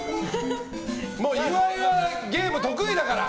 岩井はゲーム得意だから。